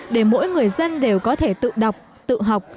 để mỗi người dân đều có thể tự đọc tự học